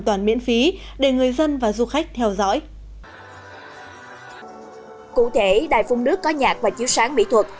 toàn miễn phí để người dân và du khách theo dõi cụ thể đài phun nước có nhạc và chiếu sáng mỹ thuật